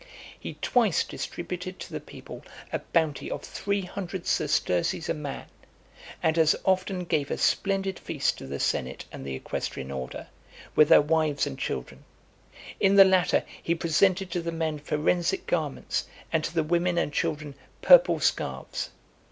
He twice distributed to the people a bounty of three hundred sesterces a man, and as often gave a splendid feast to the senate and the equestrian order, with their wives and children. In the latter, he presented to the men forensic garments, and to the women and children purple scarfs.